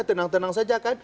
tenang tenang saja kan